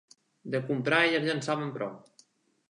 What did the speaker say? De comprar elles ja en saben prou